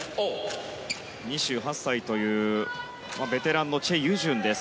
２８歳というベテランのチェ・ユジュンです。